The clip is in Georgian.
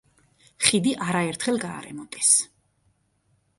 ხიდი არაერთხელ გარემონტეს.